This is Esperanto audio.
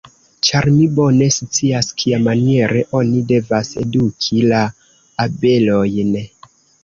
Ĉar mi bone scias, kiamaniere oni devas eduki la abelojn.